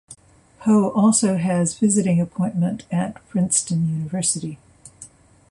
Ho also has visiting appointment at Princeton University.